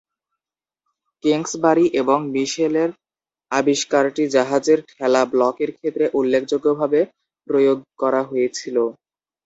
Kingsbury এবং মিশেলের আবিষ্কারটি জাহাজের ঠেলা ব্লকের ক্ষেত্রে উল্লেখযোগ্যভাবে প্রয়োগ করা হয়েছিল।